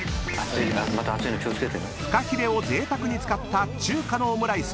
［フカヒレをぜいたくに使った中華のオムライス］